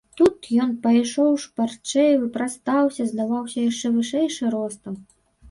Тут ён пайшоў шпарчэй, выпрастаўся, здаваўся яшчэ вышэйшы ростам.